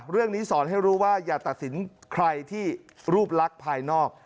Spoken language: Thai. เรื่องนี้สอนให้รู้ว่าอย่าตัดสินใครที่รูปลักษณ์ภายนอก